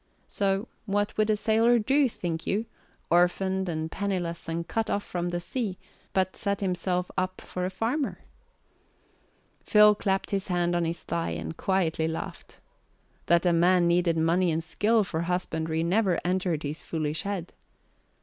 So what would a sailor do, think you, orphaned and penniless and cut off from the sea, but set himself up for a farmer? Phil clapped his hand on his thigh and quietly laughed. That a man needed money and skill for husbandry never entered his foolish head.